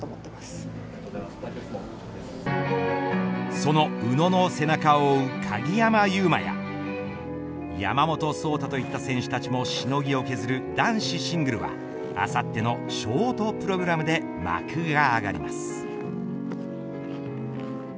その宇野の背中を追う鍵山優真や山本草太といった選手たちもしのぎを削る男子シングルは、あさってのショートプログラムで幕が上がります。